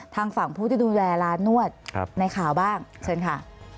ทางฝั่งผู้ที่ดูแลร้านนวดในข่าวบ้างเชิญค่ะ